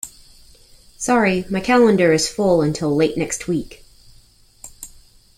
Sorry, my calendar is full until late next week.